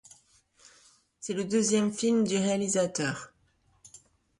C'est le deuxième film du réalisateur.